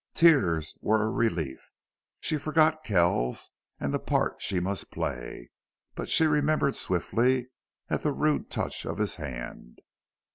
Tears were a relief. She forgot Kells and the part she must play. But she remembered swiftly at the rude touch of his hand.